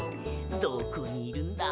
どこにいるんだ？